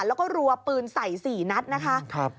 แล้วก็รัวปืนใส่๔นัดนะคะ